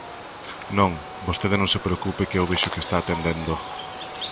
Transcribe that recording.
Non, vostede non se preocupe que eu vexo que está atendendo.